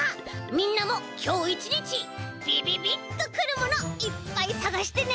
みんなもきょう１にちびびびっとくるものいっぱいさがしてね！